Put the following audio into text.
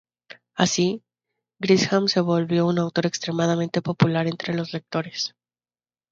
Así, Grisham se volvió un autor extremadamente popular entre los lectores.